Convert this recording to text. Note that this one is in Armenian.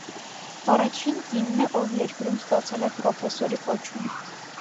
Առաջին կինն է, ով երկրում ստացել է պրոֆեսորի կոչում։